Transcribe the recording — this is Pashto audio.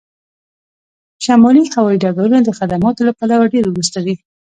شمالي هوایی ډګرونه د خدماتو له پلوه ډیر وروسته دي